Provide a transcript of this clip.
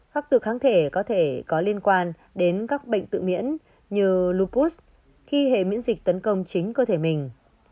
các tự kháng thể có thể có liên quan đến các bệnh tự miễn như lupus khi hệ miễn dịch tấn công chính cơ thể mình